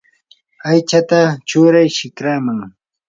aychata churay shikraman.